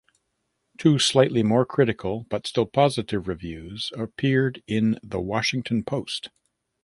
Two slightly more critical but still positive reviews appeared in "The Washington Post".